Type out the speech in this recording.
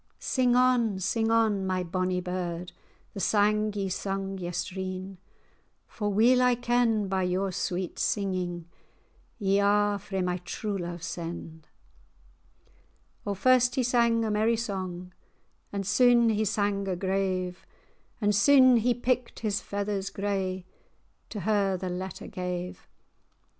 Sing on, sing on, my bonny bird, The sang ye sung yestreen, For weel I ken, by your sweet singing Ye are frae my true love sen."[#] [#] sent. O first he sang a merry song, And syne he sang a grave; And syne he picked his feathers grey, To her the letter gave.